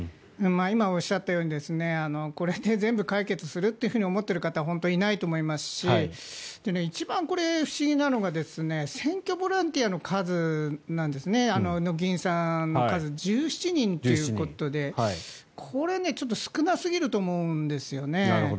今、おっしゃったようにこれで全部解決すると思っている方は本当にいないと思いますし一番不思議なのが選挙ボランティアの数なんですね議員さんの数１７人ということでこれ、ちょっと少なすぎると思うんですよね。